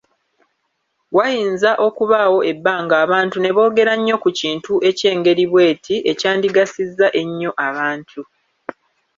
Wayinza okubaawo ebbanga abantu ne boogera nnyo ku kintu eky'engeri bw'eti, ekyandigasizza ennyo abantu.